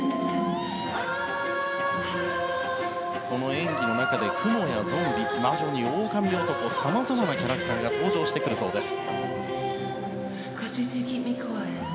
演技の中でクモやゾンビ魔女に狼男さまざまなキャラクターが登場してくるそうです。